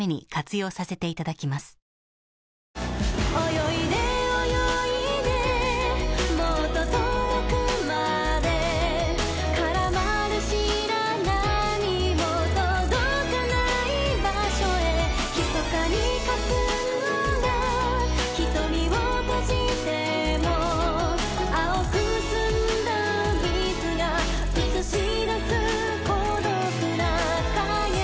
泳いで泳いでもっと遠くまで絡まる白波も届かない場所へ密かに霞んだ瞳を閉じても碧く澄んだ水が映し出す孤独な影